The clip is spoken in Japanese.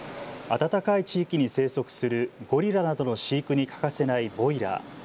暖かい地域に生息するゴリラなどの飼育に欠かせないボイラー。